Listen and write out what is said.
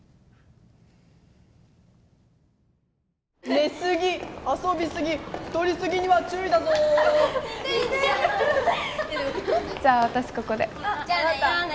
寝すぎ遊びすぎ太りすぎには注意だぞ似てんじゃんじゃあ私ここでじゃあね